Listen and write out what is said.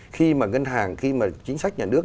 khi mà ngân hàng khi mà chính sách nhà nước